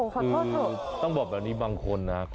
คือต้องบอกแบบนี้บางคนนะ